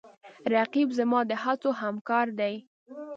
رقیب زما د هڅو همکار دی